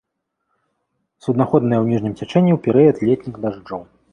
Суднаходная ў ніжнім цячэнні ў перыяд летніх дажджоў.